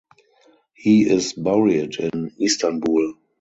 He is buried in Istanbul.